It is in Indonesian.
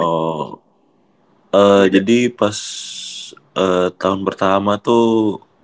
oh jadi pas tahun pertama tuh